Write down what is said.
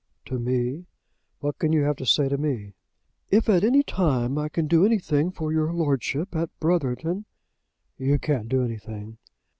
"To me! What can you have to say to me?" "If at any time I can do anything for your Lordship at Brotherton " "You can't do anything.